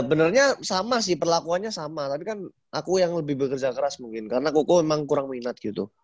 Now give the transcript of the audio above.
sebenarnya sama sih perlakuannya sama tapi kan aku yang lebih bekerja keras mungkin karena koko memang kurang minat gitu